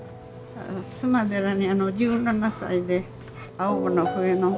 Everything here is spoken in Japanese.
須磨寺に１７歳で青葉の笛の。